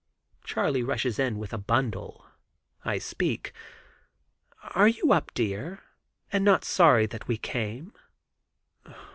Charley rushes in with a bundle. I speak: "Are you up, dear, and not sorry that we came?"